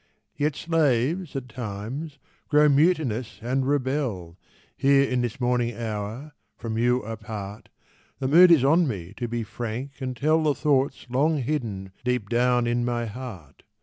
Yet slaves, at times, grow mutinous and rebel. Here in this morning hour, from you apart, The mood is on me to be frank and tell The thoughts long hidden deep down in my heart.